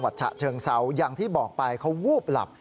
ฉะเชิงเซาอย่างที่บอกไปเขาวูบหลับ